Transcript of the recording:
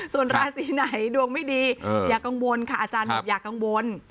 ส่วนราศีไหนดวงไม่ดีอย่ากังวลค่ะอาจารย์บอกอย่ากังวล